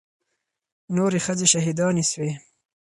نورې ښځې شهيدانې سوې.